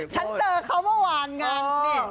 ฉันเจอเขาเมื่อวานไง